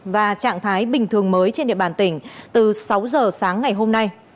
và trạng thái bình thường mới trên địa bàn tỉnh từ sáu giờ sáng ngày hôm nay